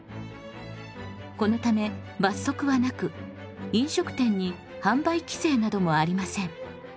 このため罰則はなく飲食店に販売規制などもありません。